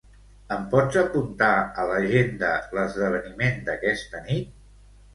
Em pots apuntar a l'agenda l'esdeveniment d'aquesta nit?